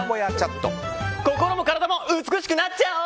心も体も美しくなっちゃおう！